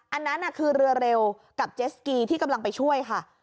อันนั้นคือเรือเร็วกับเจสกีที่กำลังไปช่วยค่ะ